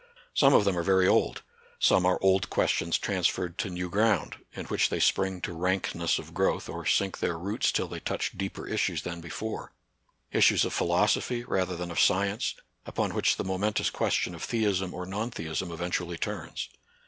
Some of them are very old ; some are old questions transferred to new ground, in which they spring to rankness of growth, or sink their roots till they touch deeper issues than before, — issues of philosophy 6 NATURAL SCIENCE AND RELIGION. rather than of science, upon which the momen tous question of theism or non theism eventually turns.